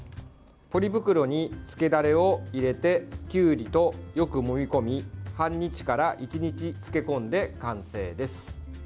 ポリ袋につけダレを入れてきゅうりと、よくもみ込み半日から１日漬け込んで完成です。